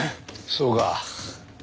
そうか。